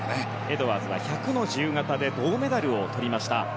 エドワーズは１００の自由形で銅メダルをとりました。